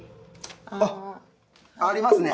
あっありますね！